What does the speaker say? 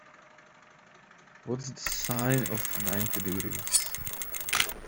What's the sine of ninety degrees?